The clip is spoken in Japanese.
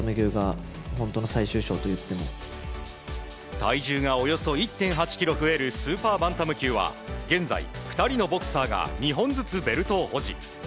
体重がおよそ１．８ｋｇ増えるスーパーバンタム級は現在２人のボクサーが２本ずつベルトを保持。